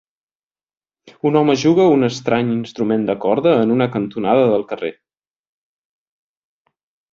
Un home juga un estrany instrument de corda en una cantonada del carrer.